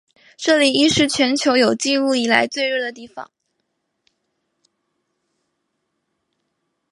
这里亦是全球有纪录以来最热的地方。